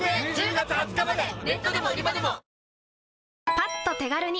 パッと手軽に！